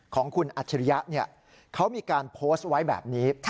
ของคุณอัจฉริยะเขามีการโพสต์ไว้แบบนี้